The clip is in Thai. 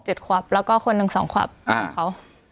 เจ็บควับแล้วก็คนหนึ่งสองควับอ่า